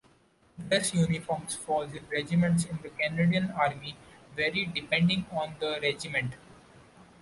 Dress uniforms for regiments in the Canadian Army vary depending on the regiment.